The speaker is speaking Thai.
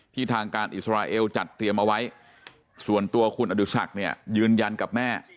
ที่ทางการณ์อิสราเอลจัดเตรียมเอาไว้ส่วนตัวคุณอดุษักยืนยันกับแม่